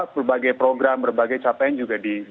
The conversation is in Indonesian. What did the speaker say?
berbagai program berbagai capaian juga di